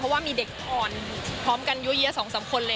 เพราะว่ามีเด็กอ่อนพร้อมกันยั่ว๒๓คนเลย